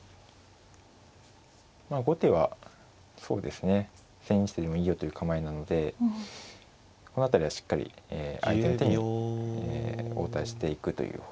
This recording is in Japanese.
まあ後手はそうですね千日手でもいいよという構えなのでこの辺りはしっかり相手の手に応対していくという方針だと思います。